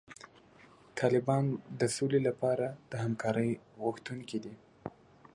طالبان د سولې لپاره د همکارۍ غوښتونکي دي.